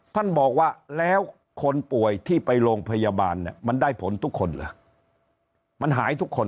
ท่านบอกว่าแล้วคนป่วยที่ไปโรงพยาบาลเนี่ยมันได้ผลทุกคนเหรอมันหายทุกคน